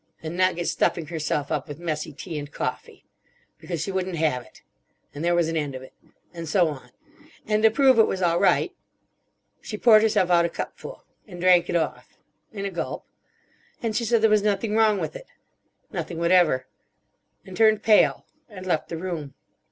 And not get stuffing herself up with messy tea and coffee. Because she wouldn't have it. And there was an end of it. And so on. And to prove it was all right. She poured herself out a cupful. And drank it off. In a gulp. And she said there was nothing wrong with it. Nothing whatever. And turned pale. And left the room.